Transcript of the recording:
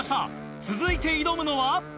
続いて挑むのは。